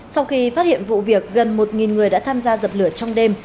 sau khi phát hiện vụ việc gần một người đã tham gia dập lửa trong đêm